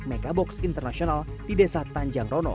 mekaboks internasional di desa tanjangrono